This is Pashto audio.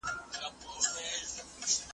په دې ښارکي هر څه ورک دي نقابونه اورېدلي `